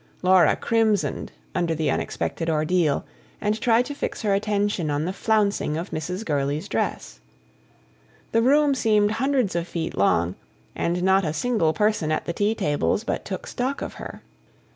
Laura crimsoned under the unexpected ordeal, and tried to fix her attention on the flouncing of Mrs. Gurley's dress. The room seemed hundreds of feet long, and not a single person at the tea tables but took stock of her.